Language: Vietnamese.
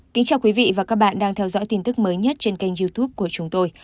kính chào quý vị và các bạn đang theo dõi tin tức mới nhất trên kênh youtube của chúng tôi